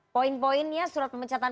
poin poinnya surat pemecatan